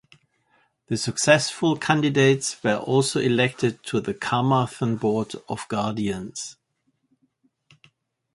The successful candidates were also elected to the Carmarthen Board of Guardians.